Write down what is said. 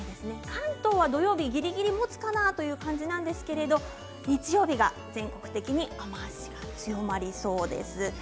関東は土曜日、ぎりぎりもつかなという感じですが、日曜日は全国的に雨足が強まりそうです。